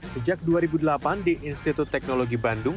sejak dua ribu delapan di institut teknologi bandung